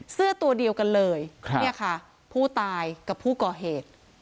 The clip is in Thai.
เสื้อตัวเดียวกันเลยเนี่ยค่ะผู้ตายกับผู้ก่อเหตุ